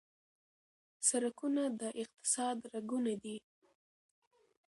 سرکونه د اقتصاد رګونه دي.